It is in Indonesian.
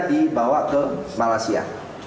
dibawa ke malaysia